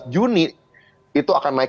empat belas juni itu akan naik